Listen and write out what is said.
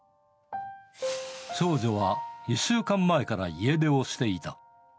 少女は１週間前から家出をしていた。